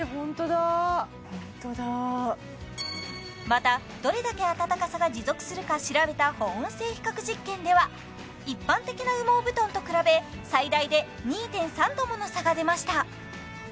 ホントだまたどれだけあたたかさが持続するか調べた保温性比較実験では一般的な羽毛布団と比べ最大で２．３度もの差が出ました